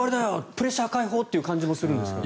プレッシャー解放って感じもするんですが。